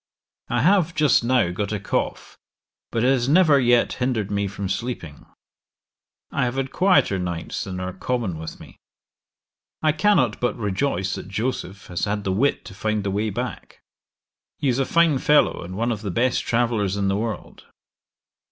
'I have just now got a cough, but it has never yet hindered me from sleeping: I have had quieter nights than are common with me. 'I cannot but rejoice that Joseph has had the wit to find the way back. He is a fine fellow, and one of the best travellers in the world.